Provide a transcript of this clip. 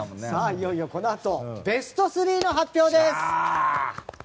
いよいよ、このあとベスト３の発表です！